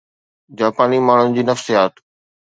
جاپاني ماڻهن جي نفسيات